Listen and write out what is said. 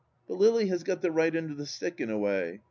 But Lily has got the right end of the stick in a way.